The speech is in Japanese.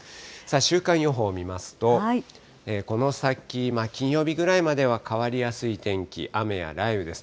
週間予報見ますと、この先、金曜日ぐらいまでは変わりやすい天気、雨や雷雨です。